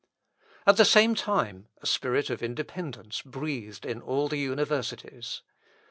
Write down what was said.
At the same time, a spirit of independence breathed in all the universities.